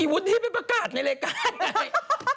ไอ้วุฒิให้ไปประกาศในรายการไง